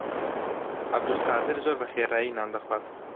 عەبدولقادر زۆر بەخێرایی نان دەخوات.